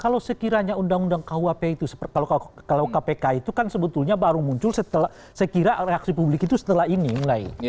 kalau sekiranya undang undang kpk itu kan sebetulnya baru muncul setelah reaksi publik itu setelah ini mulai